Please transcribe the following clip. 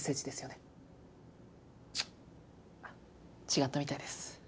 違ったみたいです。